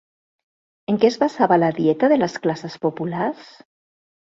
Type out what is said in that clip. En què es basava la dieta de les classes populars?